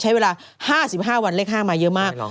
ใช้เวลา๕๕วันเลข๕มาเยอะมาก